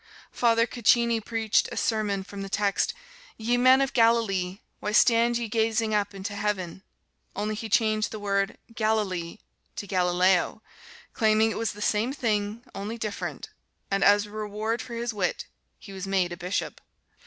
Father Caccini preached a sermon from the text, "Ye men of Galilee, why stand ye gazing up into heaven?" Only he changed the word "Galilee" to "Galileo," claiming it was the same thing, only different, and as reward for his wit he was made a bishop.